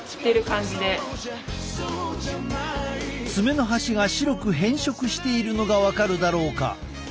爪の端が白く変色しているのが分かるだろうか？